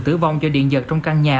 tử vong do điện dật trong căn nhà